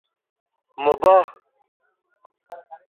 مباح